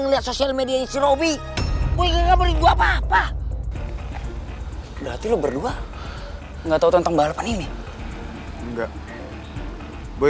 gue dulu pernah ke balapan disini